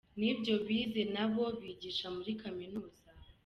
n’ibyo bize nabo bigisha muri Kaminuza’.